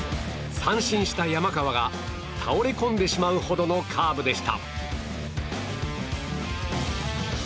三振した山川が倒れ込んでしまうほどのカーブでした。